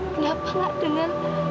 kenapa nggak dengar